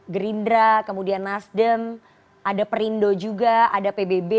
gerindra kemudian nasdem ada perindo juga ada pbb